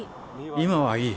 今はいい。